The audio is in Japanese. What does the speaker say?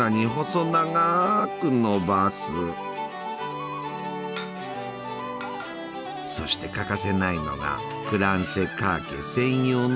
そして欠かせないのがクランセカーケ専用の型！